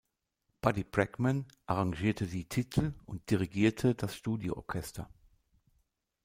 Buddy Bregman arrangierte die Titel und dirigierte das Studioorchester.